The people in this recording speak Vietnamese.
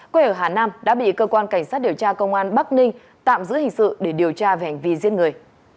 quê ở hà nam đã bị cơ quan cảnh sát điều tra công an bắc ninh tạm giữ hình sự để điều tra về hành vi giết người